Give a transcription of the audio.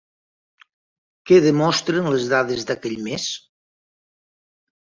Què demostren les dades d'aquell mes?